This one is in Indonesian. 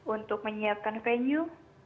untuk menyiapkan venue